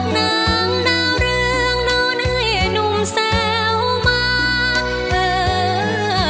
นางดาวเรืองดูในหนุ่มเสียวมา